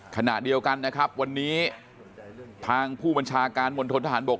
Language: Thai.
ขณะเดียวกันนะครับวันนี้ทางผู้บัญชาการมณฑนทหารบก